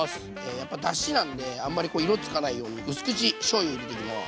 やっぱだしなんであんまりこう色つかないようにうす口しょうゆ入れていきます。